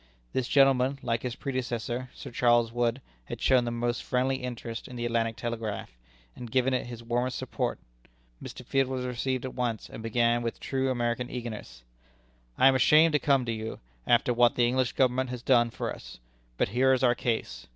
This gentleman, like his predecessor, Sir Charles Wood, had shown the most friendly interest in the Atlantic Telegraph, and given it his warmest support. Mr. Field was received at once, and began with true American eagerness: "I am ashamed to come to you, after what the English Government has done for us. But here is our case.